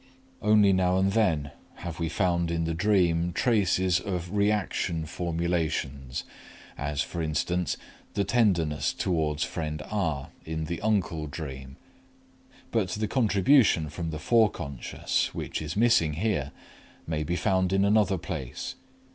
Only now and then have we found in the dream traces of reaction formations, as, for instance, the tenderness toward friend R. in the "uncle dream." But the contribution from the foreconscious, which is missing here, may be found in another place.